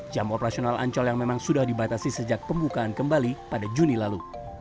jam operasional ancol yang memang sudah dibatasi sejak pembukaan kembali pada juni lalu